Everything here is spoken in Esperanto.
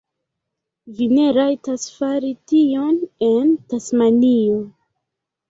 Vi ne rajtas fari tion en Tasmanio.